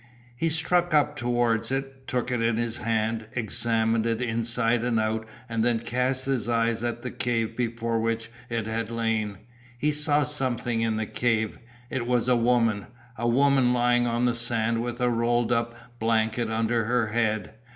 He struck up towards it, took it in his hand, examined it inside and out and then cast his eye at the cave before which it had lain. He saw something in the cave, it was a woman; a woman lying on the sand with a rolled up blanket under her head.